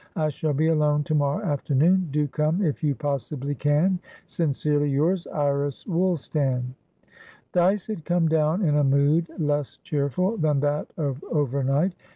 I shall be alone tomorrow afternoon. Do come if you possibly can. "Sincerely yours, "IRIS WOOLSTAN." Dyce had come down in a mood less cheerful than that of over night.